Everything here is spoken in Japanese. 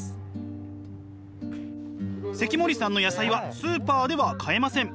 関森さんの野菜はスーパーでは買えません。